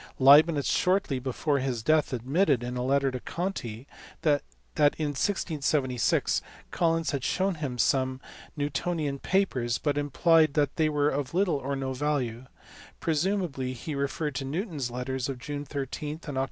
Leibnitz shortly before his death admitted in a letter to Conti that in 1676 Collins had shewn him some Newtonian papers, but implied that they were of little or no value presumably he referred to Newton s letters of June 13 and Oct.